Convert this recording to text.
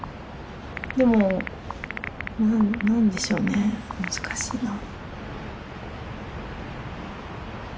でも何でしょうね難しいなぁ。